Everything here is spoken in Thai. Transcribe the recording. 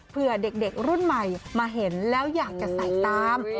เพื่อเด็กรุ่นใหม่มาเห็นแล้วอยากจะใส่ตาม